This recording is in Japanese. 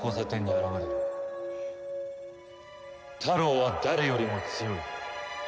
タロウは誰よりも強い。